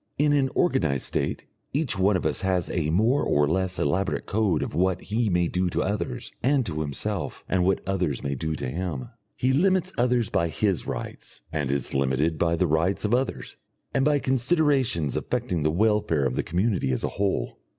In an organised state each one of us has a more or less elaborate code of what he may do to others and to himself, and what others may do to him. He limits others by his rights, and is limited by the rights of others, and by considerations affecting the welfare of the community as a whole.